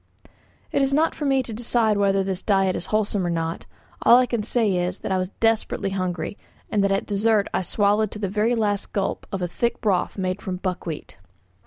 It is not for me to decide whether this diet is wholesome or not; all I can say is, that I was desperately hungry, and that at dessert I swallowed to the very last gulp of a thick broth made from buckwheat.